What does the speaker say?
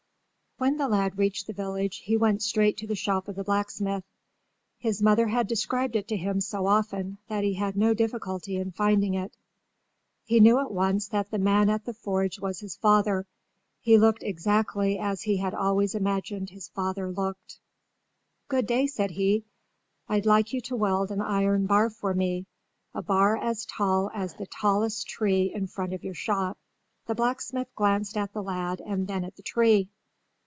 When the lad reached the village he went straight to the shop of the blacksmith. His mother had described it to him so often that he had no difficulty in finding it. He knew at once that the man at the forge was his father. He looked exactly as he had always imagined his father looked. "Good day," said he. "I'd like you to weld an iron bar for me, a bar as tall as the tallest tree in front of your shop." The blacksmith glanced at the lad and then at the tree.